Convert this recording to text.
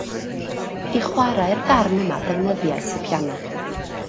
I chwarae'r darn yma defnyddiais y piano